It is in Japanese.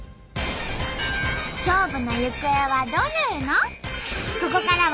勝負の行方はどうなるの！？